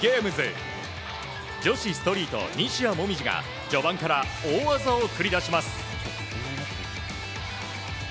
女子ストリート、西矢椛が序盤から大技を繰り出します。